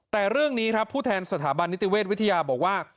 แต่เรื่องนี้ครับผู้แทนสถาบันนิติเวชวิทยาบอกว่า